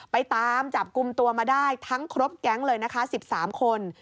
ไปตามจับกลุ่มตัวมาได้ทั้งครบแก๊งเลยนะคะ๑๓คน